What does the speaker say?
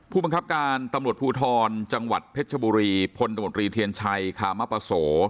ผู้บังคับการตำรวจภูทรจังหวัดเพชรชบุรีพลตมตรีเทียนชัยคามปโส